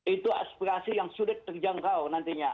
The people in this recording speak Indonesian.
itu aspirasi yang sudah terjangkau nantinya